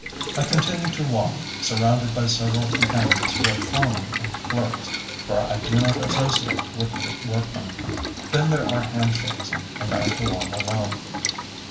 I continue to walk, surrounded by several companions who are foremen and clerks, for I do not associate with the workmen. Then there are handshakes, and I go on alone.